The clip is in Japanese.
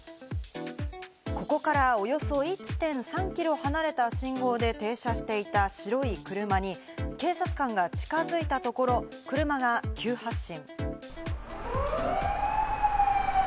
ここからおよそ１．３キロ離れた信号で停車していた白い車に警察官が近づいたところ、車が急発進。